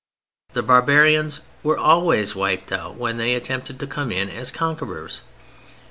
The barbarians were always wiped out when they attempted to come as conquerors.